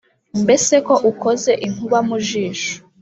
mbese ko ukoze inkuba mu jisho